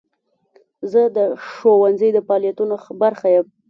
زه د ښوونځي د فعالیتونو برخه یم.